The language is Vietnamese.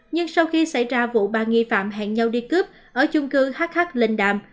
nhưng sau khi xảy ra vụ ba nghi phạm hẹn nhau đi cướp ở chung cư hh linh đàm